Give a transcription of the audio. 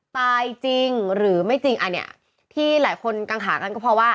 ตายจริงหรือไม่จริงอันนี้ที่หลายคนกังขากันก็เพราะว่า